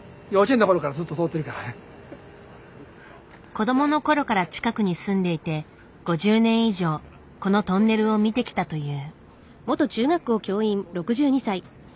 子どものころから近くに住んでいて５０年以上このトンネルを見てきたという。